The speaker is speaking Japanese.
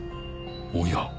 おや。